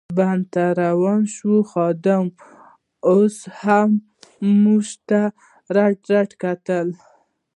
بڼ ته روان شوو، خادم اوس هم موږ ته رډ رډ کتل.